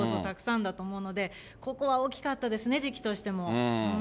たくさんだと思うので、ここは大きかったですね、時期としても。